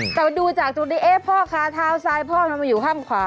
แต่ว่าดูจากตรงนี้พ่อค้าเท้าซ้ายพ่อมันมาอยู่ข้างขวา